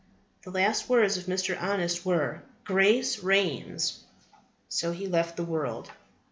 The last words of Mr. Honest were, Grace reigns! So he left the world."